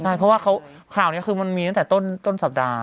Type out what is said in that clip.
ใช่เพราะว่าข่าวนี้คือมันมีตั้งแต่ต้นสัปดาห